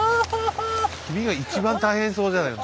君が一番大変そうじゃないか。